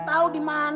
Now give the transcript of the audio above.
saya jadi kepinginan